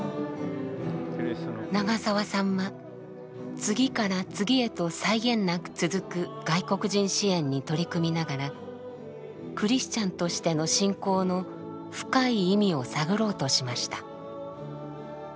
長澤さんは次から次へと際限なく続く外国人支援に取り組みながらクリスチャンとしての信仰の深い意味を探ろうとしました。